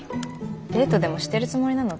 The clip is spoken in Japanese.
デートでもしてるつもりなの？